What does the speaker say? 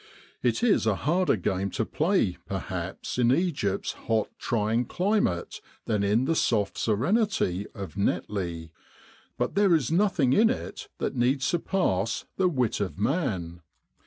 It is a harder gamf to play perhaps in Egypt's hot trying climate than in the soft serenity of Netley, but there is nothing in it that need surpass the wit of man.